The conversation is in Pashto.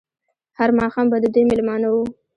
هر ماښام به د دوی مېلمانه وو.